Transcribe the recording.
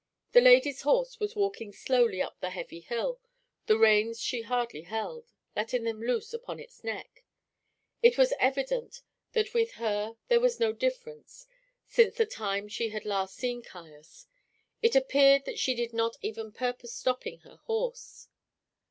The lady's horse was walking slowly up the heavy hill; the reins she hardly held, letting them loose upon its neck. It was evident that with her there was no difference since the time she had last seen Caius; it appeared that she did not even purpose stopping her horse.